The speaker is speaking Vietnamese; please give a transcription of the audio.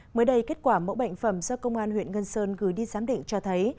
mới đây kết quả mẫu bệnh phẩm do công an huyện ngân sơn gửi đi giám định cho thấy